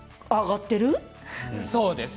そうです。